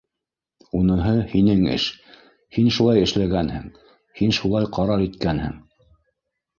Уныһы - һинең эш. һин шулай эшләгәнһең, һин шулай ҡарар иткәнһең.